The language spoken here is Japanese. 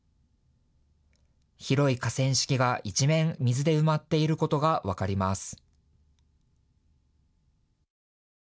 広い河川敷が一面、水で埋まっていることが分かります。